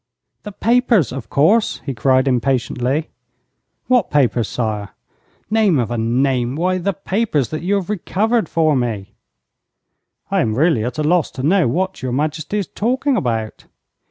'The papers, of course,' he cried, impatiently. 'What papers, sire?' 'Name of a name! Why, the papers that you have recovered for me.' 'I am really at a loss to know what your Majesty is talking about.'